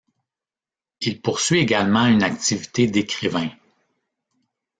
Il poursuit également une activité d'écrivain.